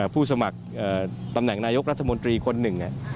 ผู้สมัครตำแหน่งนายกรัฐมนตรีคนหนึ่ง